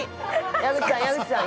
矢口さん矢口さん！